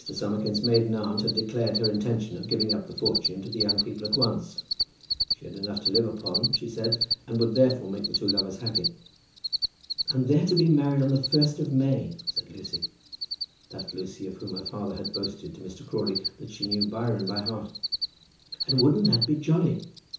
Summerkin's maiden aunt had declared her intention of giving up the fortune to the young people at once. She had enough to live upon, she said, and would therefore make two lovers happy. "And they're to be married on the first of May," said Lucy, that Lucy of whom her father had boasted to Mr. Crawley that she knew Byron by heart, "and won't that be jolly?